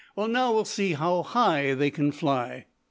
Well, now we'll see how high they can fly."